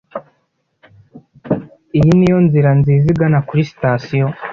Iyi niyo nzira nziza igana kuri sitasiyo?